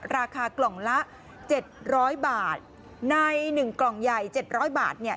ราคากล่องละ๗๐๐บาทใน๑กล่องใหญ่๗๐๐บาทเนี่ย